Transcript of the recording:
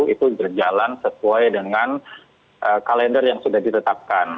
itu berjalan sesuai dengan kalender yang sudah ditetapkan